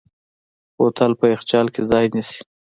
بوتل په یخچال کې ځای نیسي.